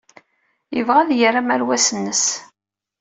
Yebɣa ad yerr amerwas-nnes.